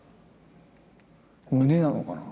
胸なのかな？